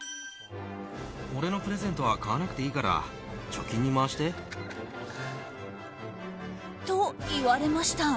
俺のプレゼントは買わなくていいから貯金に回して。と言われました。